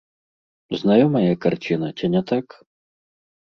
Знаёмая карціна, ці не так?